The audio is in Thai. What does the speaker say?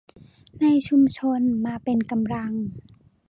ในชุมชนมาเป็นกำลัง